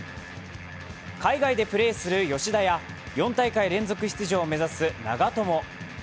海外でプレーする吉田や４大会連続出場を目指す長友。